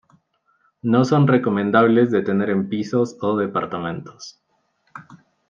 No son recomendables de tener en pisos o departamentos.